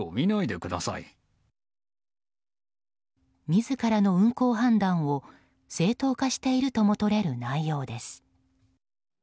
自らの運航判断を正当化しているともとれる内容です。